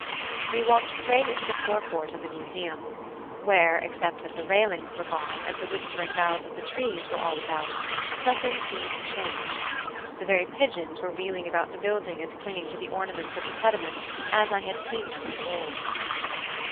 We walked straight into the forecourt of the Museum, where, except that the railings were gone, and the whispering boughs of the trees were all about, nothing seemed changed; the very pigeons were wheeling about the building and clinging to the ornaments of the pediment as I had seen them of old.